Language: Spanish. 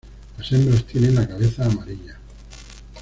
Las hembras tienen la cabeza amarilla.